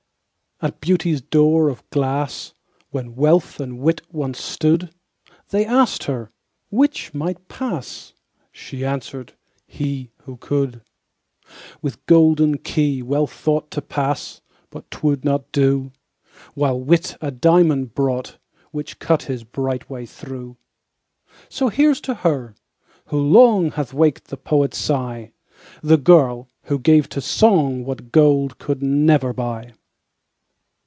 At Beauty's door of glass, When Wealth and Wit once stood, They asked her 'which might pass?" She answered, "he, who could." With golden key Wealth thought To pass but 'twould not do: While Wit a diamond brought, Which cut his bright way through. So here's to her, who long Hath waked the poet's sigh, The girl, who gave to song What gold could never buy.